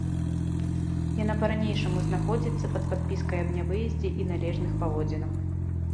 Яна па-ранейшаму знаходзіцца пад падпіскай аб нявыездзе і належных паводзінах.